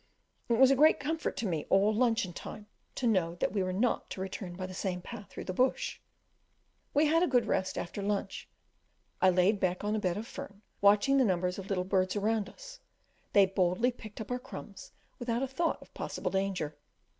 It was a great comfort to me all luncheon time to know that we were not to return by the same path through the Bush. We had a good rest after lunch: I lay back on a bed of fern, watching the numbers of little birds around us; they boldly picked up our crumbs, without a thought of possible danger.